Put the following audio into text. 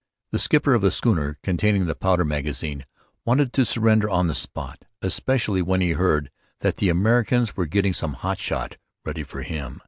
The skipper of the schooner containing the powder magazine wanted to surrender on the spot, especially when he heard that the Americans were getting some hot shot ready for him.